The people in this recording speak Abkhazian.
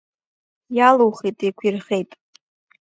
Иалухи, деиқәирхеит.